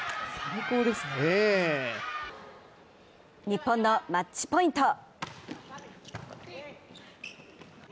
日本のマッチポイント。